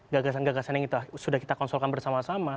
gagasan gagasan yang sudah kita konsolkan bersama sama